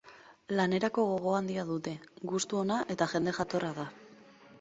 Lanerako gogo handia dute, gustu ona eta jende jatorra da.